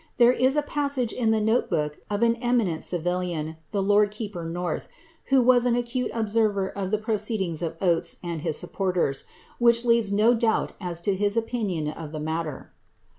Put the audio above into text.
There is a pas ge in the note book of an eminent civilian, the lord keeper North, who as an acute observer of the proceedings of Oates and his supporters, hich leaves no doubt as to his opinion of the matter.